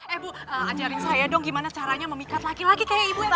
eh bu ajarin saya dong gimana caranya memikat laki laki kayaknya ibu ya